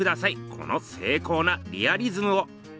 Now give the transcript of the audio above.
この精巧なリアリズムを！